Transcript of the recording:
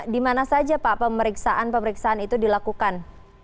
di mana saja pak pemeriksaan pemeriksaan itu dilakukan